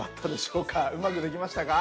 うまくできましたか？